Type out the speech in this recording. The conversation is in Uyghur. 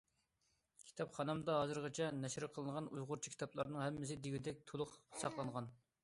كىتابخانامدا ھازىرغىچە نەشر قىلىنغان ئۇيغۇرچە كىتابلارنىڭ ھەممىسى دېگۈدەك تولۇق ساقلانغان.